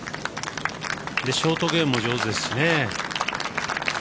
ショートゲームも上手ですしね。